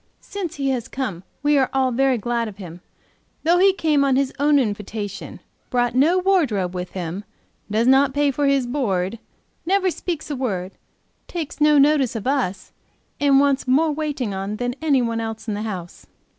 Since he has come, we are all very glad of him, though he came on his own invitation, brought no wardrobe with him, does not pay for his board, never speaks a word, takes no notice of us, and wants more waiting on than any one else in the house.